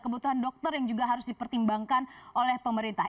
kebutuhan dokter yang juga harus dipertimbangkan oleh pemerintah